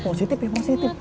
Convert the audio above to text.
positif ya positif